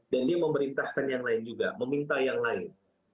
dan dia memerintahkan yang lain juga meminta yang lain